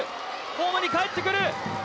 ホームにかえってくる！